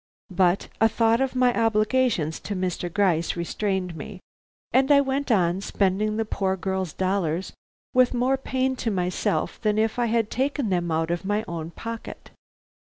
But a thought of my obligations to Mr. Gryce restrained me, and I went on spending the poor girl's dollars with more pain to myself than if I had taken them out of my own pocket.